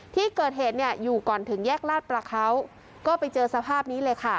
ที่เกิดเหตุเนี่ยอยู่ก่อนถึงแยกลาดประเขาก็ไปเจอสภาพนี้เลยค่ะ